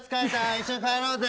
一緒に帰ろうぜ。